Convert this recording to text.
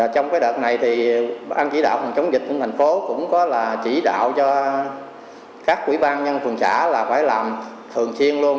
trong đợt này bang chỉ đạo phòng chống dịch của thành phố cũng có chỉ đạo cho các quỹ ban nhân quần xã là phải làm thường xuyên luôn